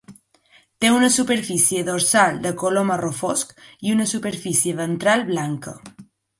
Té una superfície dorsal de color marró fosc i una superfície ventral blanca.